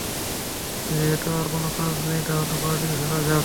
যেহেতু আর কোন কাজ নেই, তাহলে বাড়ি ফেরা যাক।